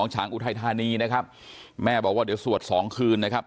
ครั้งแรกเป็นยังไงครับ